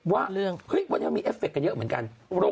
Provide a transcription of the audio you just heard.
ว่าวันนี้เรามีเอฟเฟคกันเยอะเหมือนกัน